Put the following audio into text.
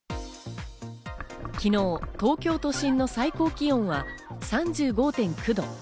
昨日、東京都心の最高気温は３５．９度。